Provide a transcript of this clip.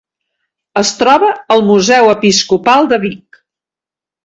Es troba al Museu Episcopal de Vic.